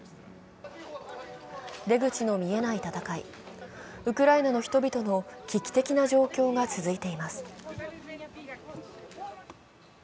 出口の見えない戦い、ウクライナの人々の危機的な状況が続いています。